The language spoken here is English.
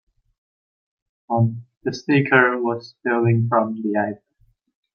The sticker was peeling from the item.